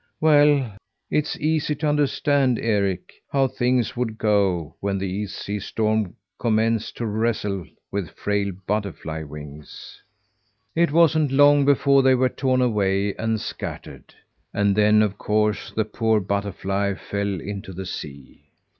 Well, it's easy to understand, Eric, how things would go when the East sea storm commenced to wrestle with frail butterfly wings. It wasn't long before they were torn away and scattered; and then, of course, the poor butterfly fell into the sea.